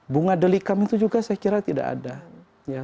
bunga delikam itu juga saya kira tidak ada